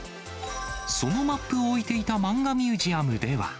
そのマップを置いていたマンガミュージアムでは。